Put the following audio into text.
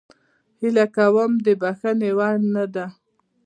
هیله کوم د بخښنې وړ نه ده.